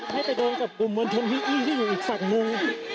ให้ไปโดนกับกลุ่มมลชนวิอีที่อยู่อีกฝั่งมุม